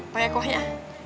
pakai kuah ya